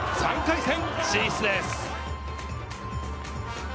３回戦進出です。